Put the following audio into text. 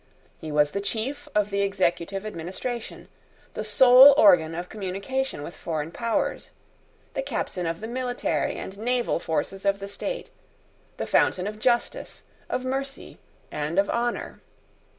He was the chief of the executive administration, the sole organ of communication with foreign powers, the captain of the military and naval forces of the state, the fountain of justice, of mercy, and of honour.